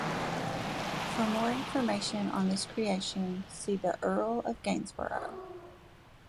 For more information on this creation, see the Earl of Gainsborough.